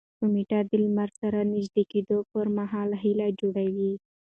کومیټ د لمر سره نژدې کېدو پر مهال هاله جوړوي.